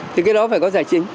thì cái đó phải có giải trình